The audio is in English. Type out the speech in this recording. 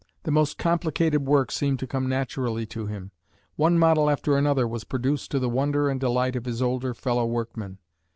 The most complicated work seemed to come naturally to him. One model after another was produced to the wonder and delight of his older fellow workmen.